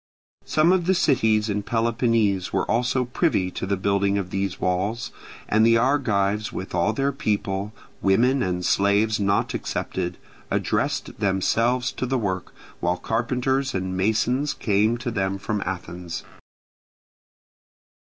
Some of the cities in Peloponnese were also privy to the building of these walls; and the Argives with all their people, women and slaves not excepted, addressed themselves to the work, while carpenters and masons came to them from Athens.